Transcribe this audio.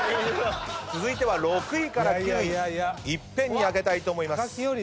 続いては６位から９位いっぺんに開けたいと思います。